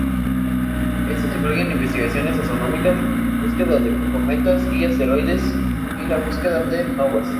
Estos incluyen investigaciones astronómicas, búsquedas de cometas y asteroides y la búsqueda de novas.